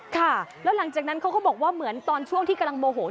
ค่ะแล้วหลังจากนั้นเขาก็บอกว่าเหมือนตอนช่วงที่กำลังโมโห